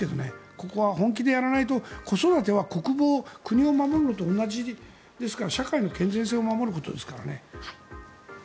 ここは本気でやらないと子育ては国防国を守るのと同じですから社会の健全性を守ることですからね。